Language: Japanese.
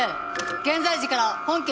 現在時から本件